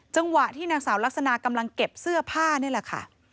จังหวะที่นางสาวลักษณะกำลังเก็บเสื้อผ้านี่แหละค่ะ